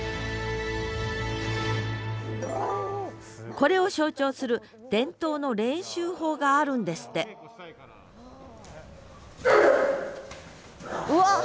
これを象徴する伝統の練習法があるんですってうわっ。